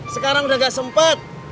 sekarang udah gak sempat